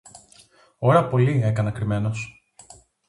Ώρα πολλή έκανα κρυμμένος